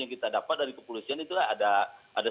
yang kita dapat dari kepolisian itu ada